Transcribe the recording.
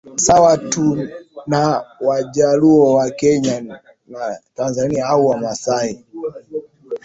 Sawa tu na wajaluo wa kenya na tanzania au wamasai